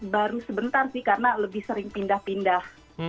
baru sebentar sih karena lebih sering pindah pindah